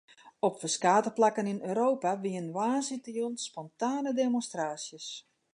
Op ferskate plakken yn Europa wiene woansdeitejûn spontane demonstraasjes.